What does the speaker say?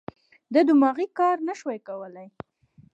دماغي کار نه شوای کولای.